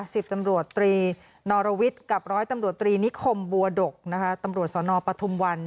สิบตำรวจตรีนอรวิทย์กับร้อยตำรวจตรีนิคมบัวดกนะคะตำรวจสนปทุมวัน